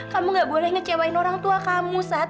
kamu gak boleh ngecewain orang tua kamu saat